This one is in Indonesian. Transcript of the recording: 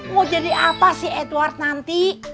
mau jadi apa sih edward nanti